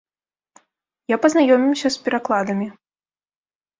Я пазнаёміўся з перакладамі.